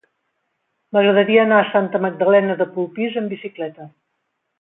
M'agradaria anar a Santa Magdalena de Polpís amb bicicleta.